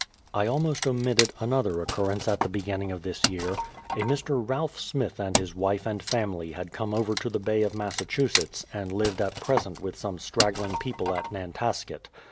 I almost omitted another occurrence at the beginning of this year. A Mr. Ralph Smith and his wife and family had come over to the Bay of Massachusetts, and lived at present with some straggling people at Nantasket.